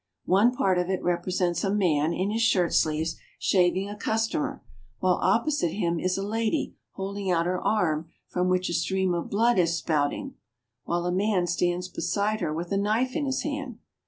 One part of it represents a man in his shirt sleeves shav ing a customer, while opposite him is a lady holding out her arm, from which a stream of blood is spouting, while a man stands beside her with a knife in his hand.